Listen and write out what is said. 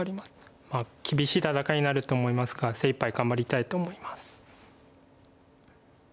厳しい戦いになると思いますが精いっぱい頑張りたいと思います。